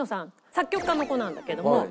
作曲家の子なんだけども。